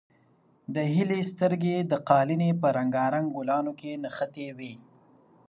د هیلې سترګې د قالینې په رنګارنګ ګلانو کې نښتې وې.